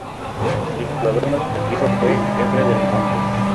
El jugador más valioso fue R. Del Monte.